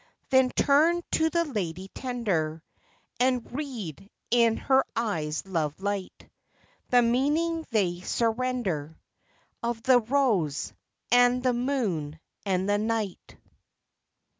Then turn to the lady tender And read, in her eyes' love light, The meaning they surrender Of the rose, and the moon, and the night.